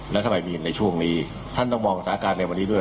แล้วทำไมมีในช่วงนี้ท่านต้องมองสถานการณ์ในวันนี้ด้วย